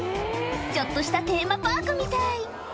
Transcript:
ちょっとしたテーマパークみたい。